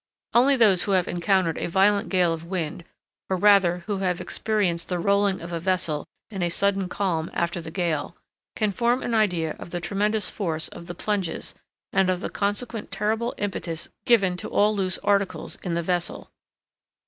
Only those who have encountered a violent gale of wind, or rather who have experienced the rolling of a vessel in a sudden calm after the gale, can form an idea of the tremendous force of the plunges, and of the consequent terrible impetus given to all loose articles in the vessel.